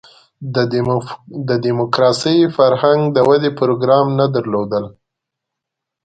د دیموکراسۍ فرهنګ د ودې پروګرام نه درلود.